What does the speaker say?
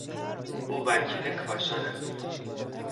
او وکیل کاشان است.